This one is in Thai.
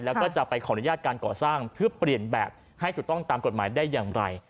แล้วก็จะไปขออนุญาตการก่อสร้างเพื่อเปลี่ยนแบบให้ถูกต้องตามกฎหมายได้อย่างไร